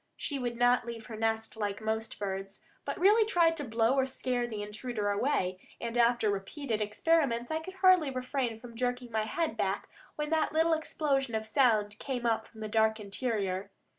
She would not leave her nest like most birds, but really tried to blow or scare the intruder away; and after repeated experiments I could hardly refrain from jerking my head back when that little explosion of sound came up from the dark interior.